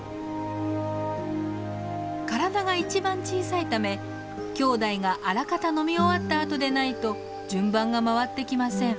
体が一番小さいためきょうだいがあらかた飲み終わったあとでないと順番が回ってきません。